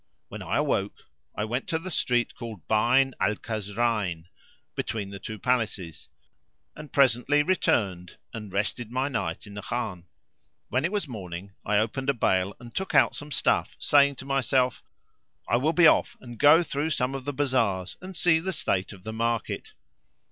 When I awoke I went to the street called "Bayn al Kasrayn"—Between the two Palaces—and presently returned and rested my night in the Khan. When it was morning I opened a bale and took out some stuff saying to myself, "I will be off and go through some of the bazars and see the state of the market."